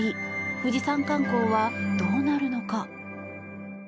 富士山観光はどうなるのか。